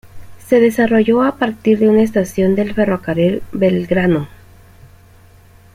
Se desarrolló a partir de una estación del ferrocarril Belgrano.